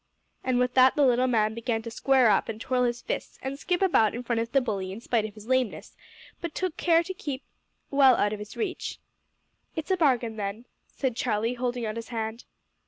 And with that the little man began to square up and twirl his fists and skip about in front of the bully in spite of his lameness but took good care to keep well out of his reach. "It's a bargain, then," said Charlie, holding out his hand.